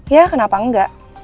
ya kenapa enggak